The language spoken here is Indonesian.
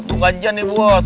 bukan gaji gani bos